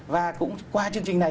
và cũng qua chương trình này